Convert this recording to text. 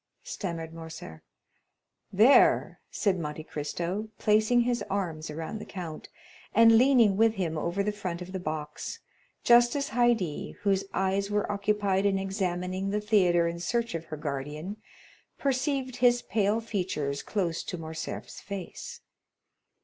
stammered Morcerf. "There," said Monte Cristo placing his arms around the count, and leaning with him over the front of the box, just as Haydée, whose eyes were occupied in examining the theatre in search of her guardian, perceived his pale features close to Morcerf's face.